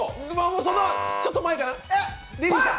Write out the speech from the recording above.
そのちょっと前かな。